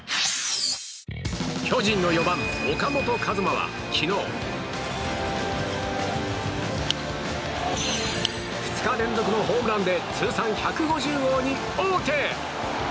巨人の４番、岡本和真は昨日２日連続のホームランで通算１５０本に王手！